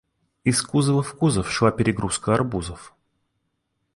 Из кузова в кузов шла перегрузка арбузов.